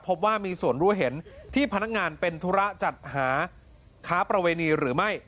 พบว่ามีส่วนรู้เห็นที่พนักงานเป็นธุระจัดหาค้าประเวณีหรือไม่